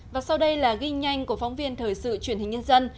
và sau đây là ghi nhanh của phóng viên thời sự truyền hình nhân dân